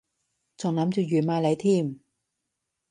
仲諗住預埋你添